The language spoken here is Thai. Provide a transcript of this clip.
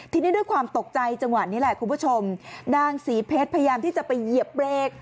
ทีนี้ด้วยความตกใจจังหวะนี้แหละคุณผู้ชมนางศรีเพชรพยายามที่จะไปเหยียบเบรก